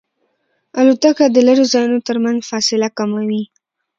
الوتکه د لرې ځایونو ترمنځ فاصله کموي.